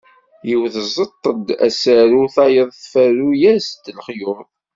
Yiwet tẓeṭṭ-d asaru, tayeḍ tferru-as-d lexyuḍ.